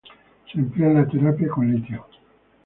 Se emplea en la terapia con litio.